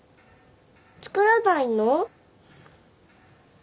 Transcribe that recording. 作らないの？